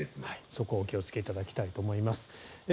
そこをお気をつけいただきたいと思います。